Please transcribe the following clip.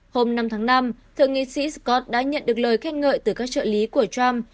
hôm năm tháng năm thượng nghị sĩ scott đã nhận được lời khen ngợi từ các trợ lý của trump